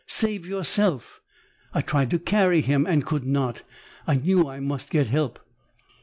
Save yourself!' I tried to carry him and could not. I knew I must get help."